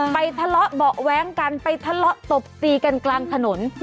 ทะเลาะเบาะแว้งกันไปทะเลาะตบตีกันกลางถนน